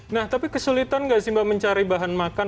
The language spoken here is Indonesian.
nah tapi kesulitan gak sih mbak mencari bahan makan